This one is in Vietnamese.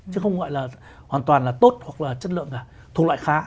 chứ không gọi là hoàn toàn là tốt hoặc là chất lượng cả thuộc loại khá